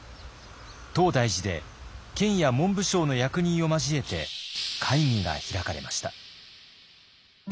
東大寺で県や文部省の役人を交えて会議が開かれました。